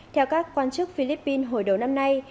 theo các quan chức philippines hồi đầu năm nay